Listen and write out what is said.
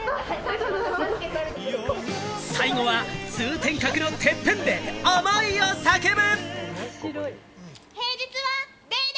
最後は通天閣のてっぺんで思いを叫ぶ！